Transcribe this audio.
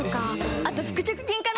あと、腹直筋かな！